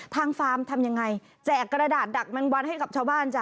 ฟาร์มทำยังไงแจกกระดาษดักมันวันให้กับชาวบ้านจ้